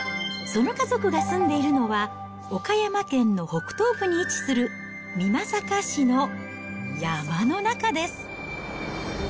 その家族が住んでいるのは、岡山県の北東部に位置する美作市の山の中です。